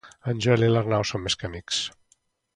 En Joel i l'Arnau són més que amics.